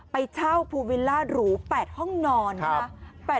ไปเช่าพูลวิลลารู๘ห้องนอนค่ะ